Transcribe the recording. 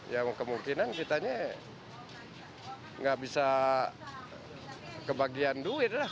yang kemungkinan kitanya nggak bisa kebagian duit lah